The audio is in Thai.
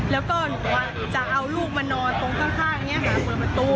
แล้วก็หนูจะเอาลูกมานอนตรงข้างหาประตู